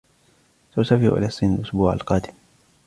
سأسافر إلى الصين الأسبوع القادم.